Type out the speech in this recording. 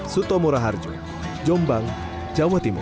suto muraharjo jombang jawa timur